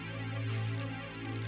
oh itu orangnya